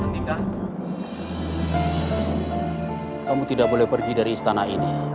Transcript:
kamu tidak boleh pergi dari istana ini